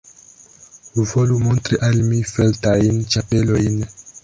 Volu montri al mi feltajn ĉapelojn.